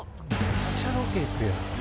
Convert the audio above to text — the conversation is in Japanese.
「めっちゃロケ行くやん」